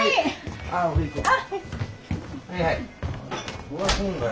はいはい。